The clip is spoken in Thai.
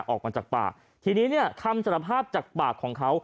ออกมาจากปากทีนี้คำสารภาพจากปาก